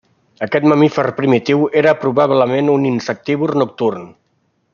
Aquest mamífer primitiu era probablement un insectívor nocturn.